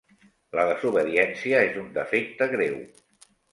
La desobediència és un defecte greu.